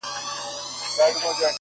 دا درې جامونـه پـه واوښـتـل _